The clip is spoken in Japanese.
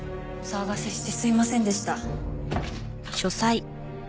お騒がせしてすいませんでした。